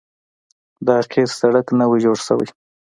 دا قیر سړک نوی جوړ شوی